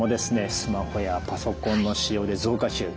スマホやパソコンの使用で増加中ドライアイ。